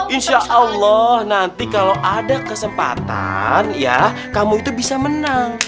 insya allah nanti kalau ada kesempatan ya kamu itu bisa menang